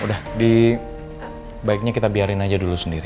udah dibaiknya kita biarin aja dulu sendiri